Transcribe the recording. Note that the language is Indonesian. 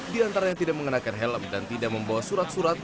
di antara yang tidak mengenakan helm dan tidak membawa surat surat